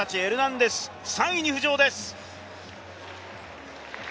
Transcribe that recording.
３位に浮上です。